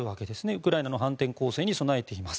ウクライナの反転攻勢に備えています。